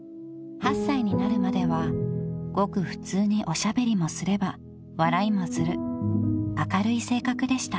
［８歳になるまではごく普通におしゃべりもすれば笑いもする明るい性格でした］